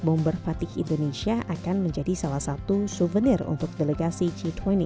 bomber fatih indonesia akan menjadi salah satu souvenir untuk delegasi g dua puluh